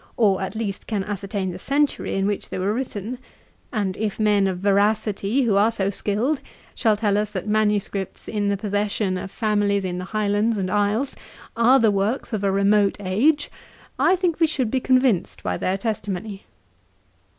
or at least can ascertain the century in which they were written; and if men of veracity, who are so skilled, shall tell us that MSS. in the possession of families in the Highlands and isles are the works of a remote age, I think we should be convinced by their testimony.